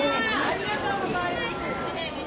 ありがとうございます。